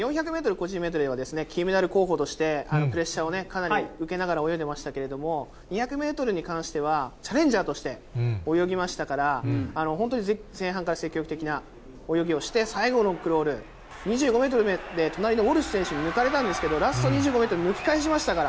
個人メドレーは、金メダル候補として、プレッシャーをかなり受けながら泳いでましたけれども、２００メートルに関しては、チャレンジャーとして泳ぎましたから、本当に前半から積極的な泳ぎをして、最後のクロール、２５メートルで隣のウォルシュ選手に抜かれたんですけど、ラスト２５メートル、抜き返しましたから。